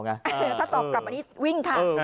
ถ้าตอบกลับมาวิ่งค่ะ